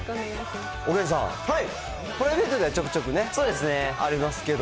お元さん、このところ、プライベートではちょくちょくね。ありますけど。